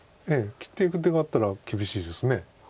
切っていく手があったら厳しいです。